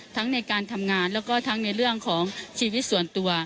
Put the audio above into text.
ในการทำงานแล้วก็ทั้งในเรื่องของชีวิตส่วนตัว